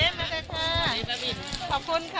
ยืนยันค่ะเพราะเราเป็นแม็กค้าของผวยนะคะ